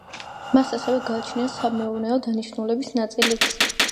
მას ასევე გააჩნია სამეურნეო დანიშნულების ნაწილიც.